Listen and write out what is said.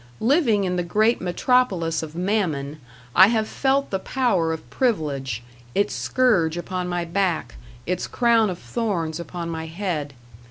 Living in the great Metropolis of Mammon, I have felt the power of Privilege, its scourge upon my back, its crown of thorns upon my head.